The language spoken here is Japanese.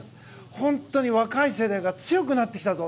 本当に若い世代が強くなってきたぞと。